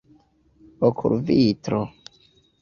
okulvitro